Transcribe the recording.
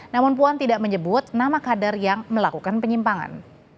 namun puan tidak menyebut nama kader yang melakukan penyimpangan